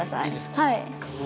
はい。